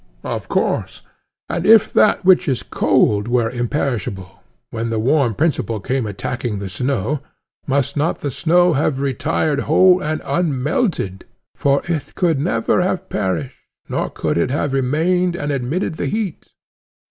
Of course. And if that which is cold were imperishable, when the warm principle came attacking the snow, must not the snow have retired whole and unmelted—for it could never have perished, nor could it have remained and admitted the heat?